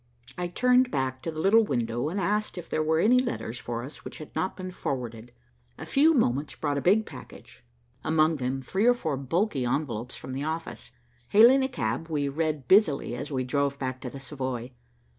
I turned back to the little window and asked if there were any letters for us which had not been forwarded. A few moments brought a big package, among them three or four bulky envelopes from the office. Hailing a cab, we read busily as we drove back to the Savoy.